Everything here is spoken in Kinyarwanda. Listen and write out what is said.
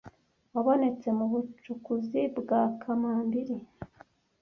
wabonetse mu bucukuzi bwa kamambiri